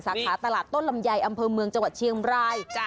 สาขาตลาดต้นลำไยอำเภอเมืองจังหวัดเชียงราย